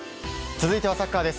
続いてはサッカーです。